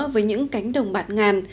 với những cánh đồng bạt ngàn